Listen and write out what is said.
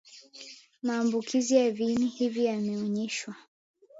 Maambukizi ya viini hivi yameonyeshwa